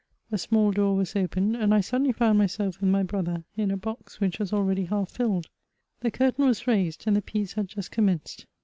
A small door was opened, and I suddenly found myself with my brother, in a box which was already half filled. The curtain was raised, and the piece had just commenced.